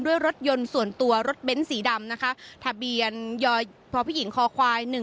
ด้วยรถยนต์ส่วนตัวรถเบ้นสีดำนะคะทะเบียนยพพค๑๘๘๑